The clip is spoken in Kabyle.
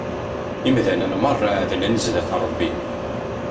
Imdanen merra εedlen zzat Rebbi.